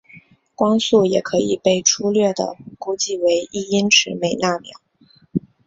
光速也可以被初略地估计为一英尺每纳秒。